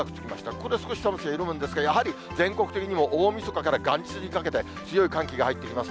ここで少し寒さ緩むんですけれども、やはり全国的にも大みそかから元日にかけて、強い寒気が入ってきます。